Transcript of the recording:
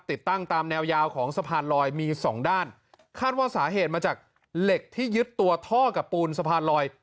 ติดตั้งตามแนวยาวของสะพานลอยมีสองด้านคาดว่าสาเหตุมาจากเหล็กที่ยึดตัวท่อกับปูนสะพานลอย